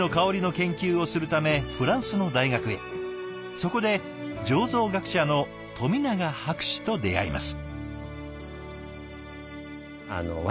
そこで醸造学者の富永博士と出会います。